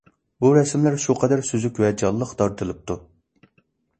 بۇ رەسىملەر شۇ قەدەر سۈزۈك ۋە جانلىق تارتىلىپتۇ.